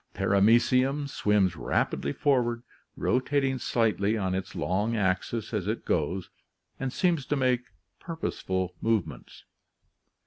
Paramecium swims rapidly forward, rotating slightly on its long axis as it goes, and seems to make purposeful movements.